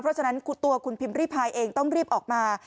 เพราะฉะนั้นตัวคุณพิมพ์ริพายเองต้องรีบออกมา